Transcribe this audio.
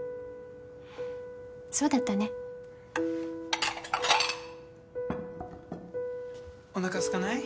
そうだったねおなかすかない？